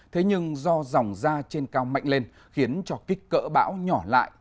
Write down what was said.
thế nhưng do dòng ra trên cao mạnh lên khiến cho kích cỡ bão nhỏ lại